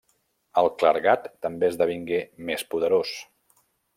El clergat també esdevingué més poderós.